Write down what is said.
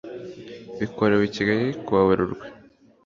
Bikorewe i Kigali kuwa Werurwe